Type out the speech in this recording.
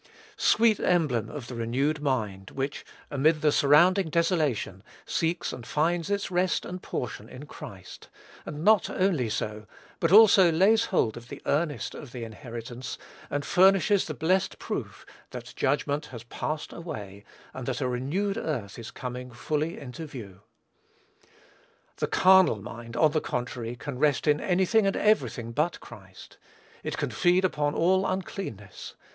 Sweet emblem of the renewed mind, which, amid the surrounding desolation, seeks and finds its rest and portion in Christ; and not only so, but also lays hold of the earnest of the inheritance, and furnishes the blessed proof, that judgment has passed away, and that a renewed earth is coming fully into view. The carnal mind, on the contrary, can rest in any thing and every thing but Christ. It can feed upon all uncleanness.